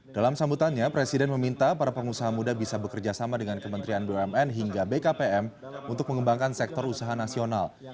dalam sambutannya presiden meminta para pengusaha muda bisa bekerja sama dengan kementerian bumn hingga bkpm untuk mengembangkan sektor usaha nasional